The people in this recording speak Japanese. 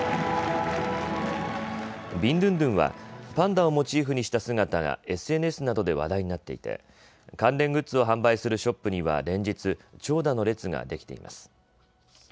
ビンドゥンドゥンはパンダをモチーフにした姿がＳＮＳなどで話題になっていて関連グッズを販売するショップには連日、長蛇の列ができています。